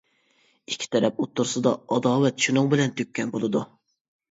ئىككى تەرەپ ئوتتۇرىسىدا ئاداۋەت شۇنىڭ بىلەن تۈگىگەن بولىدۇ.